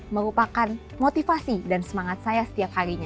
merupakan motivasi dan semangat saya setiap harinya